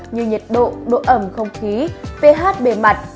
như nhiệt độ độ ẩm không khí ph bề mặt